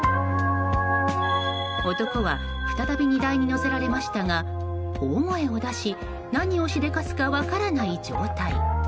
男は再び荷台に乗せられましたが大声を出し何をしでかすか分からない状態。